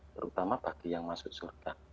terutama bagi yang masuk surga